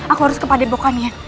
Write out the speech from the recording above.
aku harus ke pada epokannya